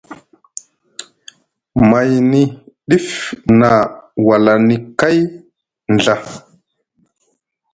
Mayni ɗif na walani kay Ɵa.